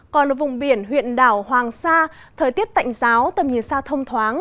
còn ở vùng biển huyện đảo hoàng sa thời tiết tạnh giáo tầm nhìn xa thông thoáng